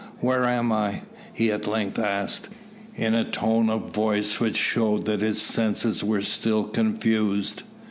"Where am I?" he at length asked, in a tone of voice which showed that his senses were still confused.